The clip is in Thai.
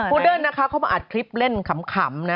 ภูเดิ้ลเขามาอัดคลิปเล่นคำ